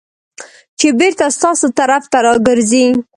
چې بېرته ستاسو طرف ته راګرځي .